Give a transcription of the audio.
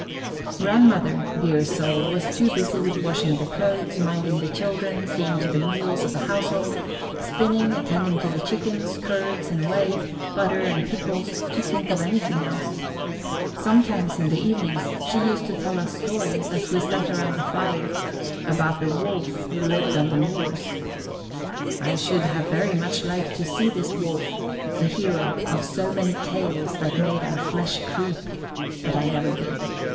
Grandmother, dear soul, was too busy with washing the clothes, minding the children, seeing to the meals of the household, spinning, attending to the chickens, curds and whey, butter, and pickles, to think of anything else. Sometimes, in the evenings, she used to tell us stories, as we sat around the fire, about the Wolf who lived on the moors. I should have very much liked to see this Wolf, the hero of so many tales that made our flesh creep, but I never did.